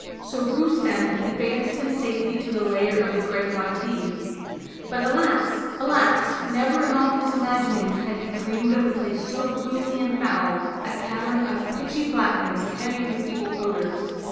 So Rustem advanced in safety to the lair of the Great White Deev. But alas! alas! never in all his imaginings had he dreamed of a place so gloomy and foul — a cavern of pitchy Blackness, heavy with evil odors.